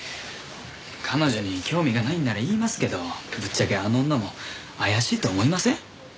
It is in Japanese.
彼女に興味がないんなら言いますけどぶっちゃけあの女も怪しいと思いません？